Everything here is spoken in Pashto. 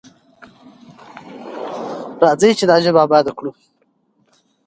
راځئ چې دا ژبه اباده کړو.